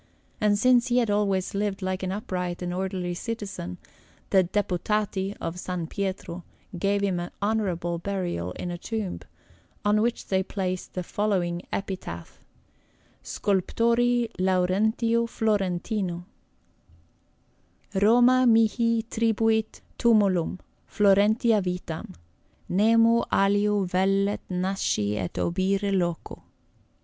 And since he had always lived like an upright and orderly citizen, the Deputati of S. Pietro gave him honourable burial in a tomb, on which they placed the following epitaph: SCULPTORI LAURENTIO FLORENTINO ROMA MIHI TRIBUIT TUMULUM, FLORENTIA VITAM: NEMO ALIO VELLET NASCI ET OBIRE LOCO.